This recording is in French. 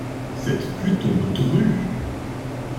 Cette pluie tombe drue.